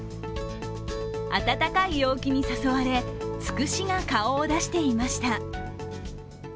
暖かい陽気に誘われ、つくしが顔を出していました。